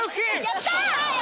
やった！